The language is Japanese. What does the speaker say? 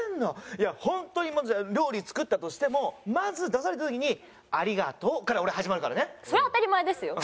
いやホントに料理作ったとしてもまず出された時に「ありがとう」から俺始まるからね。